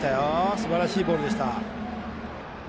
すばらしいボールでした。